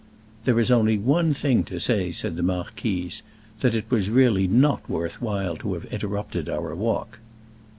"There is only one thing to say," said the Marquise. "That it was really not worth while to have interrupted our walk."